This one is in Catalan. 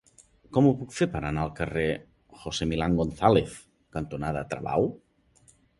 Com ho puc fer per anar al carrer José Millán González cantonada Travau?